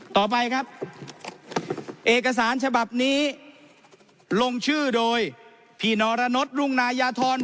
ต่อไปครับเอกสารฉบับนี้ลงชื่อโดยพี่นรนดรุ่งนายาธร